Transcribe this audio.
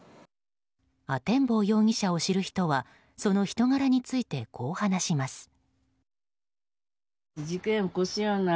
阿天坊容疑者を知る人はその人柄について、こう話します。